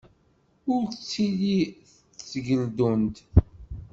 Ur ttili d tegeldunt.